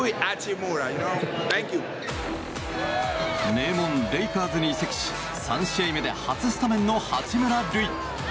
名門レイカーズに移籍し３試合目で初スタメンの八村塁。